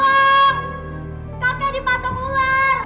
kakek dipatung ular